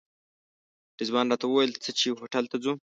رضوان راته وویل ځه چې هوټل ته ځو.